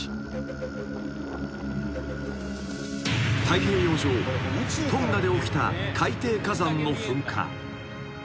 ［太平洋上トンガで起きた海底火山の噴火］